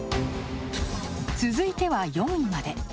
続いては４位まで。